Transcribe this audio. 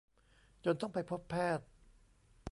จนต้องไปพบแพทย์